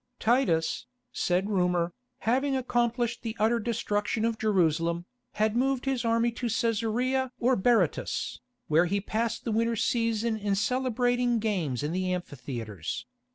Titus, said rumour, having accomplished the utter destruction of Jerusalem, had moved his army to Cæsarea or Berytus, where he passed the winter season in celebrating games in the amphitheatres.